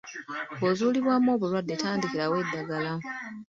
Bw'ozuulibwamu obulwadde, tandikirawo eddagala.